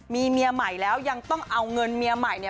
มีเมียใหม่แล้วยังต้องเอาเงินเมียใหม่เนี่ย